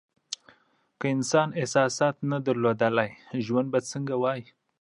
که انسان احساسات نه درلودلی ژوند به څنګه وائی؟